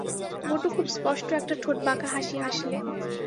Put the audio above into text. বটু খুব স্পষ্ট একটা ঠোঁটবাঁকা হাসি হাসলে।